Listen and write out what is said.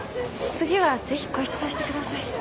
次はぜひご一緒させてください。